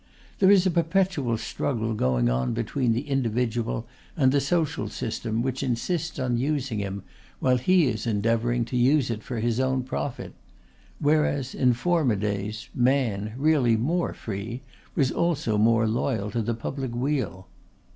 There is a perpetual struggle going on between the Individual and the Social system which insists on using him, while he is endeavoring to use it to his own profit; whereas, in former days, man, really more free, was also more loyal to the public weal.